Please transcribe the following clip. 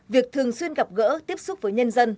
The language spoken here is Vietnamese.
việc thường xuyên gặp gỡ tiếp xúc với nhân dân